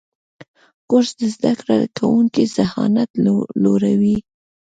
کورس د زده کوونکو ذهانت لوړوي.